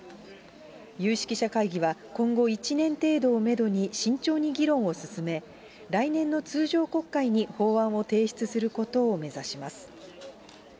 有識者会議は、今後１年程度をメドに、慎重に議論を進め、来年の通常国会に法案を提出することを目指します。